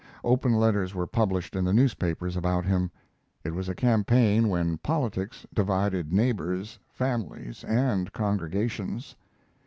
Open letters were published in the newspapers about him. It was a campaign when politics divided neighbors, families, and congregations.